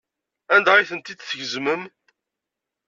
Anda ay tent-id-tgezmem?